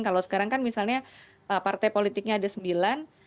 kalau sekarang kan misalnya partai politiknya ada sembilan